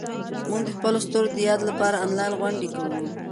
موږ د خپلو ستورو د یاد لپاره انلاین غونډې کوو.